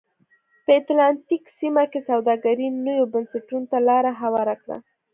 په اتلانتیک سیمه کې سوداګرۍ نویو بنسټونو ته لار هواره کړه.